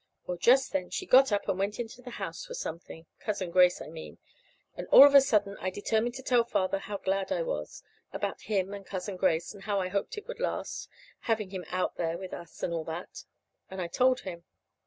Well, just then she got up and went into the house for something Cousin Grace, I mean and all of a sudden I determined to tell Father how glad I was, about him and Cousin Grace; and how I hoped it would last having him out there with us, and all that. And I told him.